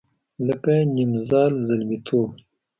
لکه نیمزال زلمیتوب